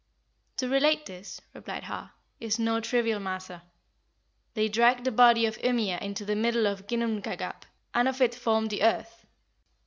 "To relate this," replied Har, "is no trivial matter. They dragged the body of Ymir into the middle of Ginnungagap, and of it formed the earth.